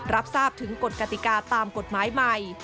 รับทราบถึงกฎกติกาตามกฎหมายใหม่